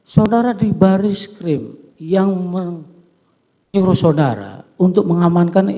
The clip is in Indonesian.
saudara di baris krim yang menyuruh saudara untuk mengamankan